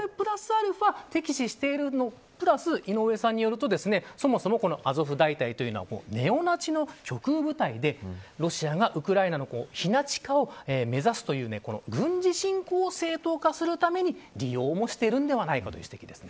アルファ敵視しているのプラス井上さんによるとそもそもアゾフ大隊というのはネオナチの極右部隊でロシアがウクライナの非ナチ化を目指すという軍事侵攻を正当化するために利用もしているんではないかという指摘です。